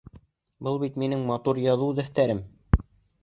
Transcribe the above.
Был бит минең матур яҙыу дәфтәрем.